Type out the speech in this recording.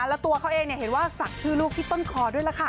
แล้วตัวเขาเองเห็นว่าศักดิ์ชื่อลูกที่ต้นคอด้วยล่ะค่ะ